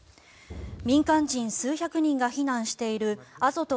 民間人数百人が避難しているアゾト